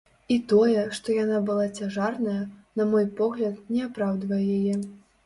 І тое, што яна была цяжарная, на мой погляд, не апраўдвае яе.